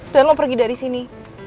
dan lo pergi dari sini